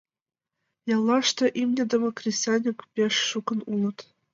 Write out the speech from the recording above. Яллаште имньыдыме кресаньык пеш шукын улыт.